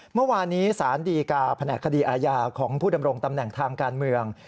เมื่อวานนี้สารดีกาแผนกคดีอาญาของผู้ดำรงตำแหน่งทางการเมือง